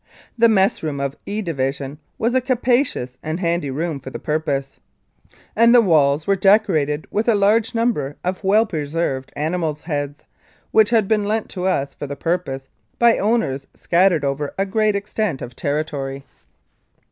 The mess room of " E " Division was a capacious and handy room for the purpose, and the walls were decorated with a large number of well preserved animals' heads, which had been lent to us for the purpose by owners scattered over a great extent of territory.